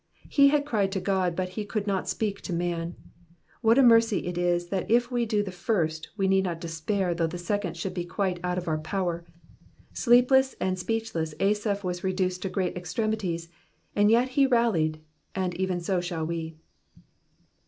He had cried to God but he could not speak to man, what a mercy it is that if we can do the first, we need not despair though the second should be quite out of our power. Sleepless and speechless Asaph was reduced to great extremities, and yet he rallied, and even so shall we.